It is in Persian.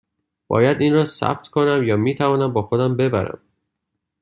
باید این را ثبت کنم یا می توانم با خودم ببرم؟